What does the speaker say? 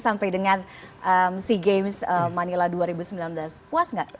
sampai dengan sea games manila dua ribu sembilan belas puas nggak